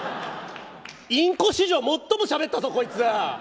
インコ史上、最もしゃべったぞ！